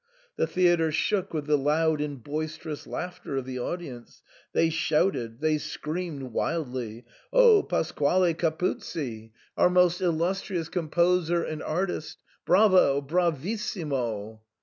The theatre shook with the loud and boisterous laughter of the audience. They shouted ; they screamed wildly, " O Pasquale Capuzzi ! Our 144 SIGNOR FORMICA. most illustrious composer and artist ! Bravo ! Bravis simo